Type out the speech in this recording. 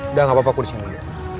udah gak apa apa aku disini